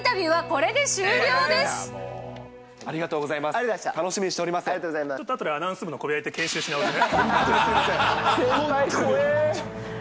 ちょっとあとでアナウンス部の小部屋行って研修し直しね。